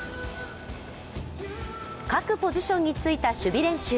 各ポジションについた守備練習。